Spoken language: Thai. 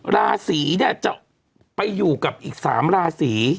ราศีเนี่ยจะไปอยู่กับอีก๓ราศี